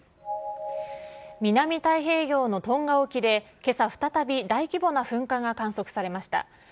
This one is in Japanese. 南太平洋のトンガ沖で、けさ、再び大規模な噴火が観測されました。